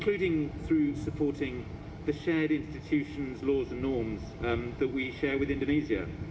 kami juga mendukung perusahaan dan peraturan yang kami berkumpulkan dengan indonesia